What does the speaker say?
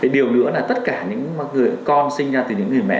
điều nữa là tất cả những con sinh ra từ những người mẹ